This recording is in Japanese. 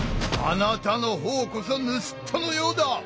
あなたのほうこそぬすっとのようだ！